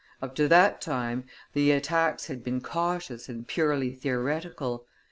Up to that time the attacks had been cautious and purely theoretical. M.